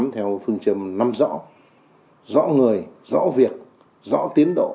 theo phương châm năm rõ người rõ việc rõ tiến độ